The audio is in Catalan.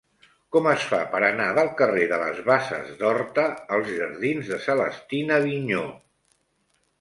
Com es fa per anar del carrer de les Basses d'Horta als jardins de Celestina Vigneaux?